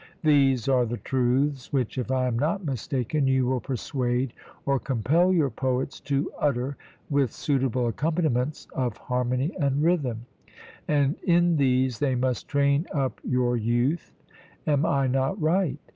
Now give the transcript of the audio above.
These are the truths which, if I am not mistaken, you will persuade or compel your poets to utter with suitable accompaniments of harmony and rhythm, and in these they must train up your youth. Am I not right?